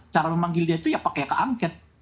cara memanggil dia itu ya pakai keangket